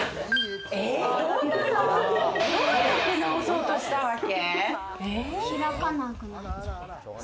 どうやって直そうとしたわけ？